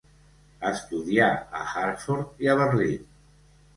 Estudià a Hartford i a Berlín.